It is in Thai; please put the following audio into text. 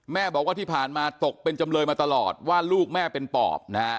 แม่บอกว่าที่ผ่านมาตกเป็นจำเลยมาตลอดว่าลูกแม่เป็นปอบนะฮะ